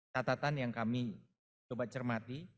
catatan yang kami coba cermati